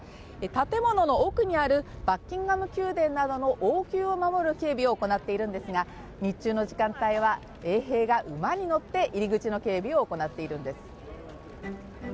建物の奥にあるバッキンガム宮殿などの王宮を守る警備を行っているんですが日中の時間帯は衛兵が馬に乗って入り口の警備を行っているんです。